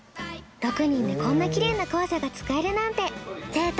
６人でこんなきれいな校舎が使えるなんて贅沢。